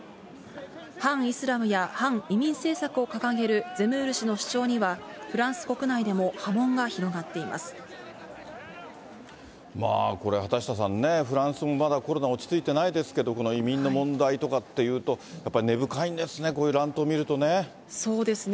反イスラムや反移民政策を掲げるゼムール氏の主張には、フランスこれ、畑下さんね、フランスもまだ、コロナ落ち着いてないですけれども、移民の問題とかっていうと、やっぱり根深いんですね、こういう乱闘を見るとね。